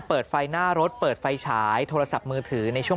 เปิดไฟหน้ารถเปิดไฟฉายโทรศัพท์มือถือในช่วง